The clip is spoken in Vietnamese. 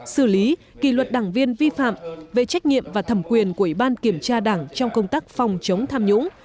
xử lý kỷ luật đảng viên vi phạm về trách nhiệm và thẩm quyền của ủy ban kiểm tra đảng trong công tác phòng chống tham nhũng